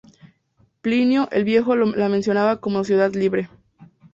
Plinio el Viejo la menciona como ciudad libre.